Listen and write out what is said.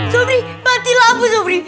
sobri bantilah aku sobri